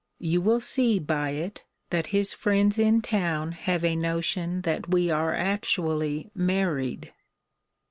You will see by it, that his friends in town have a notion that we are actually married.